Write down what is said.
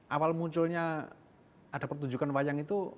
awal munculnya ada pertunjukan wayang itu